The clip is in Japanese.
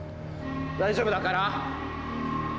大丈夫だから！